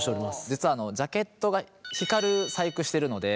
実はジャケットが光る細工してるので。